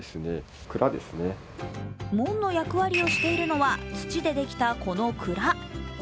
門の役割をしているのは、土でできた、この蔵。